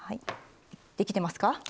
できてますか？